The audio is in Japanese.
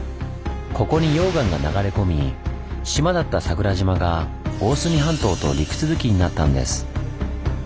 ここに溶岩が流れ込み「島」だった桜島が大隅半島と陸続きになったんです。